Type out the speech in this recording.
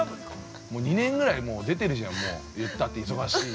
２年ぐらい出てるじゃん言ったって忙しい。